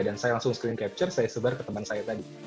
dan saya langsung screen capture saya sebar ke teman saya tadi